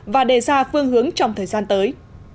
và đề ra phương hướng trong thời gian tới